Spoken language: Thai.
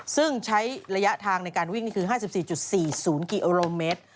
ซึ่งใช้ระยะทางในการวิ่งนี่คือ๕๔๔๐กิโลเมตร